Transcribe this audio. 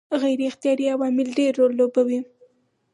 غیر اختیاري عوامل ډېر رول لوبوي.